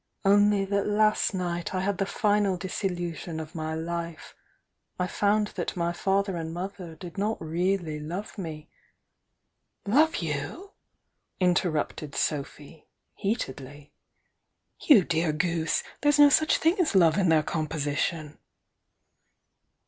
"Only that last night I had the final disillusion of my life — I found that my father and mother did not really l<^ve me "Love you!" interrupted Sophy, heatedly. "You 78 THJE YOUNG DIANA dear goose! There's no such thing as love in their composition!"